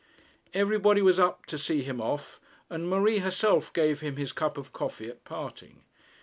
Everybody was up to see him off, and Marie herself gave him his cup of coffee at parting.